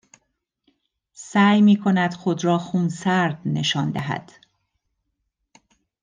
سعی می کند خود را خونسرد نشان دهد